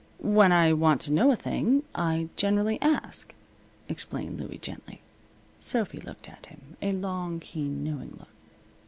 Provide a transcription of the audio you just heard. "When I want to know a thing, I generally ask," explained Louie, gently. Sophy looked at him a long, keen, knowing look.